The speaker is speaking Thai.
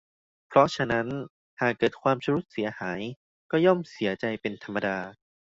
เพราะฉะนั้นหากเกิดความชำรุดเสียหายก็ย่อมเสียใจเป็นธรรมดา